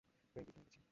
Pelvis ভেঙে গেছে।